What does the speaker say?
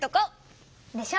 でしょ。